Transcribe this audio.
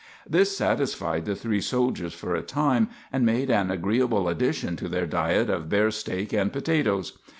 This satisfied the three soldiers for a time, and made an agreeable addition to their diet of bear steak and potatoes.